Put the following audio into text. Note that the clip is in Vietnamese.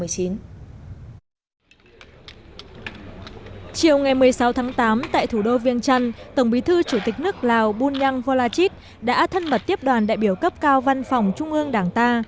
chiều ngày một mươi sáu tháng tám tại thủ đô viên trăn tổng bí thư chủ tịch nước lào bunyang volachit đã thân mật tiếp đoàn đại biểu cấp cao văn phòng trung ương đảng ta